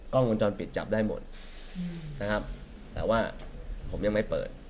วงจรปิดจับได้หมดนะครับแต่ว่าผมยังไม่เปิด